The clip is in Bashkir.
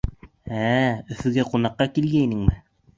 — Ә-ә, Өфөгә ҡунаҡҡа килгәйнеңме?